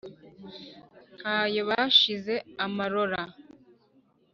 Nta yo bashize amarora;